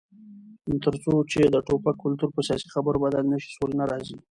تر څو چې د ټوپک کلتور په سیاسي خبرو بدل نشي، سوله نه راځي.